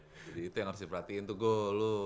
jadi itu yang harus diperhatiin tuh go lo